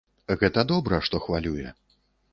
Гэта добра, што хвалюе.